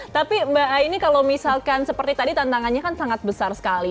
tapi mbak ini kalau misalkan seperti tadi tantangannya kan sangat besar sekali